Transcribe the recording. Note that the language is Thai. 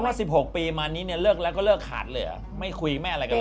ถ้า๑๖ปีมานี้เนี่ยเลิกแล้วก็เลิกขาดเลยเหรอไม่คุยไม่อะไรกันเลย